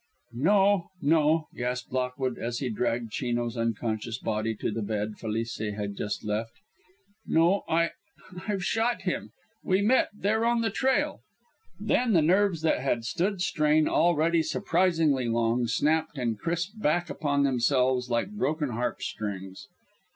"No, no," gasped Lockwood, as he dragged Chino's unconscious body to the bed Felice had just left. "No; I I've shot him. We met there on the trail." Then the nerves that had stood strain already surprisingly long snapped and crisped back upon themselves like broken harp strings.